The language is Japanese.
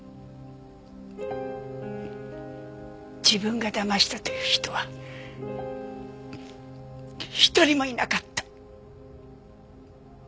自分がだましたという人は一人もいなかった。